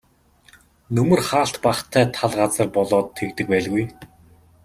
Нөмөр хаалт багатай тал газар болоод тэгдэг байлгүй.